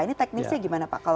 ini teknisnya gimana pak